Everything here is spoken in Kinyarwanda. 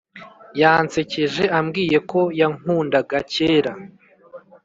yansekeje ambwiye ko yankundaga kera